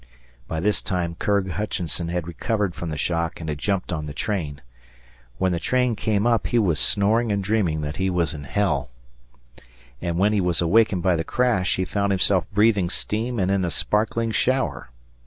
By this time Curg Hutchinson had recovered from the shock and had jumped on the train. When the train came up, he was snoring and dreaming that he was in Hell; and when he was awakened by the crash, he found himself breathing steam and in a sparkling shower.